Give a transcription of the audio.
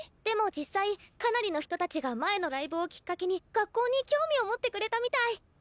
でも実際かなりの人たちが前のライブをきっかけに学校に興味を持ってくれたみたい。